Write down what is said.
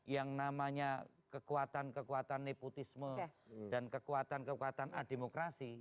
yang namanya kekuatan kekuatan nepotisme dan kekuatan kekuatan ademokrasi